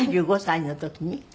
４５歳の時に？